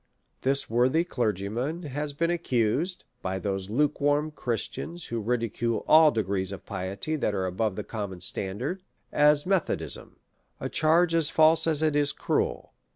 This worthy clergyman has been accused (by those lukewarm Christians, who ridicule all degrees of piety that are above the com mon standards) of Methodism ; a charge as false as it is cruel.